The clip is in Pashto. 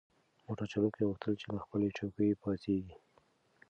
موټر چلونکي غوښتل چې له خپلې چوکۍ پاڅیږي.